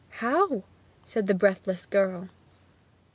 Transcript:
'How?' said the breathless girl.